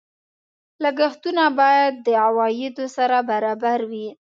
لګښتونه باید د عوایدو سره برابر وي.